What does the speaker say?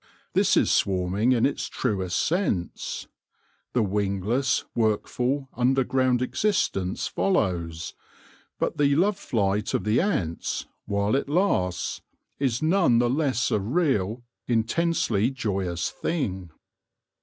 This is swarming in its truest sense. The wingless, workful, underground existence follows, but the love flight of the ants, while it lasts, is none the less a real, intensely joyous thing.